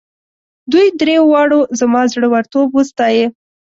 دوی دریو واړو زما زړه ورتوب وستایه.